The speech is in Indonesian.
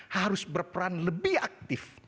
harus berperan lebih aktif